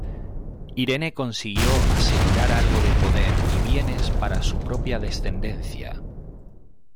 Irene consiguió asegurar algo de poder y bienes para su propia descendencia.